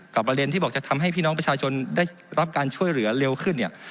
ประเด็นที่บอกจะทำให้พี่น้องประชาชนได้รับการช่วยเหลือเร็วขึ้นเนี่ย